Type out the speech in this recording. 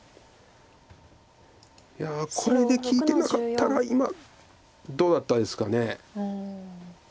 いやこれで利いてなかったら今どうだったですかね。